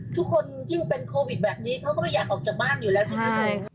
ทุกคนยิ่งเป็นโควิดแบบนี้เขาก็ไม่อยากออกจากบ้านอยู่แล้วใช่ไหม